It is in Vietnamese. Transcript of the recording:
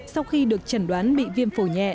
sau khi được chẩn đoán bị viêm phổ nhẹ